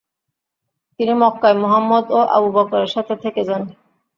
তিনি মক্কায় মুহাম্মদ ও আবু বকরের সাথে থেকে যান।